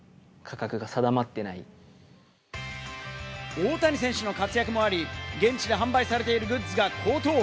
大谷選手の活躍もあり、現地で販売されているグッズが高騰。